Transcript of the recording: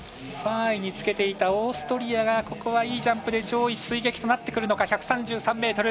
３位につけていたオーストリアがここはいいジャンプで上位追撃となってくるのか。